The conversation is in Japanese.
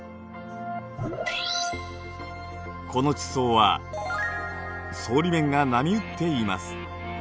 この地層は層理面が波打っています。